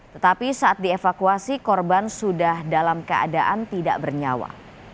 tetapi saat dievakuasi korban sudah dalam keadaan tidak bernyawa